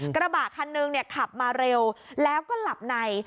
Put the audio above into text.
กระบะคันหนึ่งขับมาเร็วแล้วก็หลับใน